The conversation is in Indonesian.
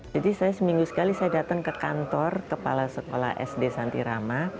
jadi saya seminggu sekali datang ke kantor kepala sekolah sd santi rama